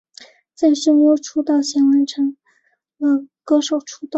在声优出道前先完成了歌手出道。